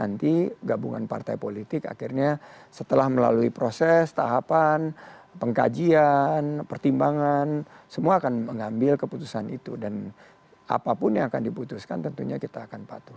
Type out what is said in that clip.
nanti gabungan partai politik akhirnya setelah melalui proses tahapan pengkajian pertimbangan semua akan mengambil keputusan itu dan apapun yang akan diputuskan tentunya kita akan patuh